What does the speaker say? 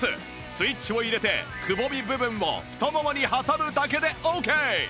スイッチを入れてくぼみ部分を太ももに挟むだけでオーケー